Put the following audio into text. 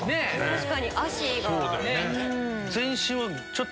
確かに脚が。